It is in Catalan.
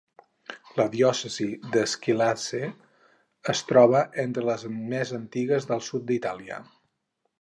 La diòcesi de Squillace es troba entre les més antigues del sud d'Itàlia.